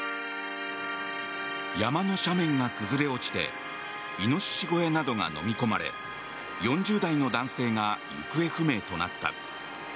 山の斜面が崩れ落ちてイノシシ小屋などがのみ込まれ４０代の男性が行方不明となった。